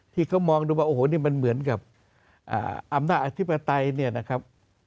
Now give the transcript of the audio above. ที่เขามองดูว่าโอ้โหนี่มันเหมือนกับอำนาจอธิปไตยเนี่ยนะครับ